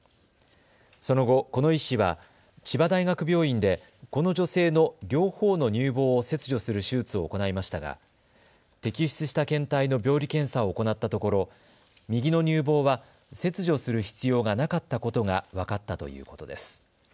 その後、この医師は千葉大学病院でこの女性の両方の乳房を切除する手術を行いましたが、摘出した検体の病理検査を行ったところ、右の乳房は切除する必要がなかったことが分かったということです。